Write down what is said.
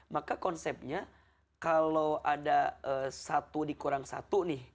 maka konsepnya kalau ada satu dikurang satu nih